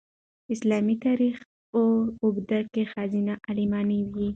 د اسلامي تاریخ په اوږدو کې ښځینه عالمانې وې.